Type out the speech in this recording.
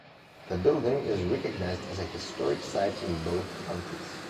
The building is recognized as a historic site in both countries.